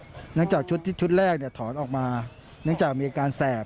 หลังจากชุดที่ชุดแรกเนี่ยถอนออกมาเนื่องจากมีอาการแสบ